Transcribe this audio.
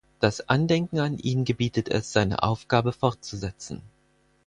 Das Andenken an ihn gebietet es, seine Aufgabe fortzusetzen.